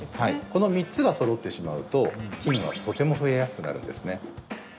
この３つがそろってしまうと、菌はとても増えやすくなるんですね。